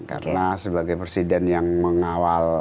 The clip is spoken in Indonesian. karena sebagai presiden yang mengawal